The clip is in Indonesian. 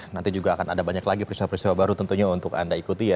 nanti juga akan ada banyak lagi peristiwa peristiwa baru tentunya untuk anda ikuti ya